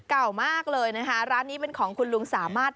เก่ามากเลยนะคะร้านนี้เป็นของคุณลุงสามารถ